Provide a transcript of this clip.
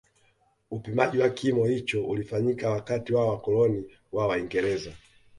Upimaji wa kimo hicho ulifanyika wakati wa wakoloni wa waingereza